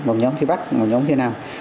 một nhóm phía bắc một nhóm phía nam